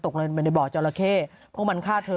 ตกลงไปในบ่อจราเข้เพราะมันฆ่าเธอ